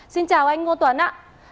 xin chào anh ngô tuấn ạ